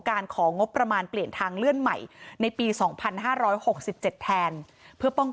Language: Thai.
ของงบประมาณเปลี่ยนทางเลื่อนใหม่ในปี๒๕๖๗แทนเพื่อป้อง